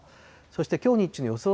そしてきょう日中の予想